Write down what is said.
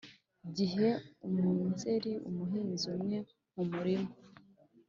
Gihe umunzeri-Umuhinzi umwe mu murima.